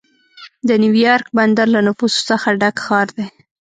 د نیویارک بندر له نفوسو څخه ډک ښار دی.